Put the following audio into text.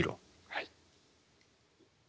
はい。